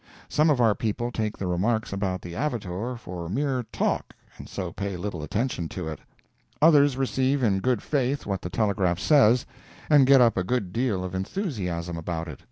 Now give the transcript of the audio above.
Some of our people take the remarks about the Avitor for mere "talk," and so pay little attention to it. Others receive in good faith what the telegraph says, and get up a good deal of enthusiasm about it.